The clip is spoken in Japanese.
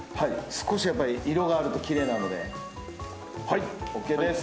少し色があるときれいなので。